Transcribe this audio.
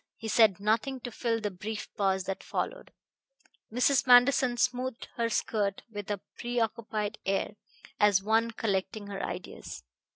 He said nothing to fill the brief pause that followed. Mrs. Manderson smoothed her skirt with a preoccupied air, as one collecting her ideas.